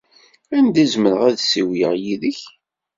Anda ay zemreɣ ad ssiwleɣ yid-k?